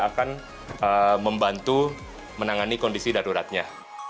akan membantu menangani kondisi daruratnya